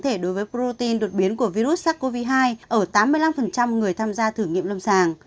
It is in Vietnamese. các thông tin đối với protein đột biến của virus sars cov hai ở tám mươi năm người tham gia thử nghiệm lâm sàng